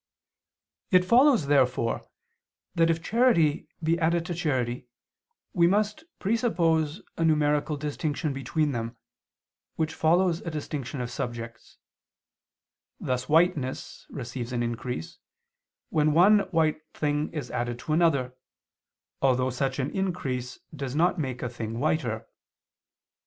It follows therefore that if charity be added to charity, we must presuppose a numerical distinction between them, which follows a distinction of subjects: thus whiteness receives an increase when one white thing is added to another, although such an increase does not make a thing whiter.